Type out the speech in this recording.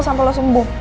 sampai lo sembuh